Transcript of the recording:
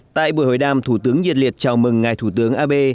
tại buổi hội đàm thủ tướng nhiệt liệt chào mừng ngài thủ tướng abe